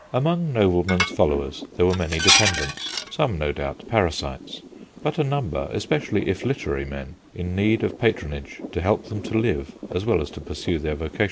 Among noblemen's followers there were many dependents, some, no doubt, parasites, but a number, especially if literary men, in need of patronage to help them to live as well as to pursue their vocation.